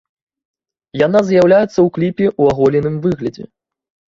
Яна з'яўляецца ў кліпе ў аголеным выглядзе.